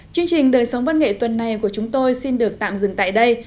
chương trình đời sống văn nghệ tuần này của chúng tôi xin được tạm dừng tại đây